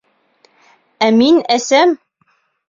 Ә мин әсәм!